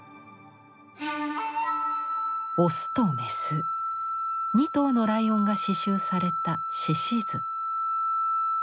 オスとメス２頭のライオンが刺繍された「獅子図」。